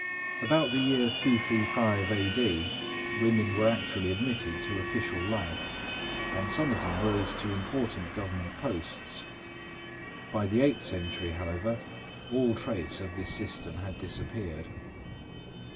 About the year 235 A.D., women were actually admitted to official life, and some of them rose to important government posts. By the eighth century, however, all trace of this system had disappeared.